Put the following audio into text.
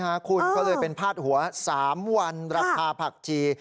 ใช่ค่ะคุณก็เลยเป็นพาดหัว๓วันรับพาผักชี